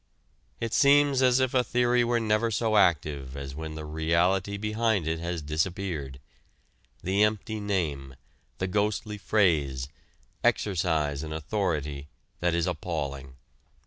It seems as if a theory were never so active as when the reality behind it has disappeared. The empty name, the ghostly phrase, exercise an authority that is appalling.